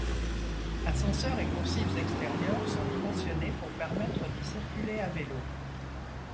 Ascenseurs et coursives extérieures sont dimensionnés pour permettre d'y circuler à vélo.